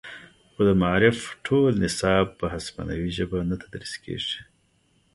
خو د معارف ټول نصاب په هسپانوي ژبه نه تدریس کیږي